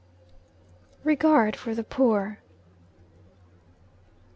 REGARD FOR THE POOR.